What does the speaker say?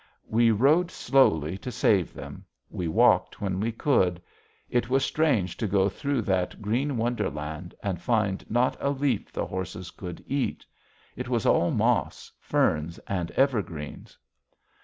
We rode slowly to save them; we walked when we could. It was strange to go through that green wonderland and find not a leaf the horses could eat. It was all moss, ferns, and evergreens.